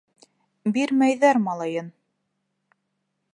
Бирмәйҙәр малайын!